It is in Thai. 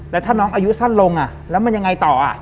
แล้วถ้าน้องอายุสั้นลงแล้วมันยังไงต่อ